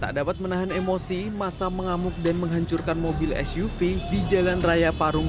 tak dapat menahan emosi masa mengamuk dan menghancurkan mobil suv di jalan raya parung